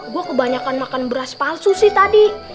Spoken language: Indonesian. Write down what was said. gue kebanyakan makan beras palsu sih tadi